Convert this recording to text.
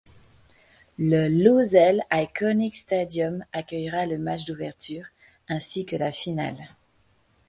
Le Lusail Iconic Stadium accueillera le match d'ouverture, ainsi que la finale.